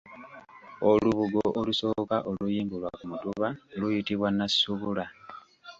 Olubugo olusooka okuyimbulwa ku mutuba luyitibwa Nnassubula.